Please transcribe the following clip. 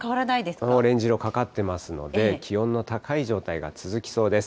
このオレンジ色、かかってますので、気温の高い状態が続きそうです。